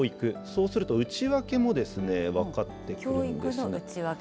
そうすると内訳も分かってくるん教育の内訳。